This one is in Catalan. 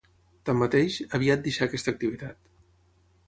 Tanmateix, aviat deixà aquesta activitat.